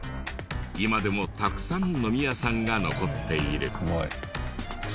今でもたくさん飲み屋さんが残っている。